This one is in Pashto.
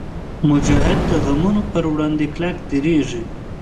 مجاهد د غمونو پر وړاندې کلک درېږي.